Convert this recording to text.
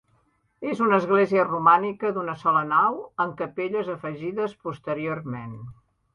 És una església romànica d'una sola nau amb capelles afegides posteriorment.